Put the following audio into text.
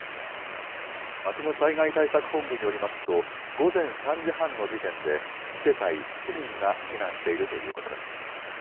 町の災害対策本部によりますと、午前３時半の時点で、２世帯７人が避難しているということです。